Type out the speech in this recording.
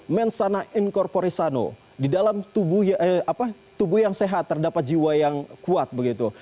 mensana incorporisano di dalam tubuh yang sehat terdapat jiwa yang kuat begitu